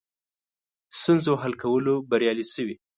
ستونزو حل کولو بریالي شوي.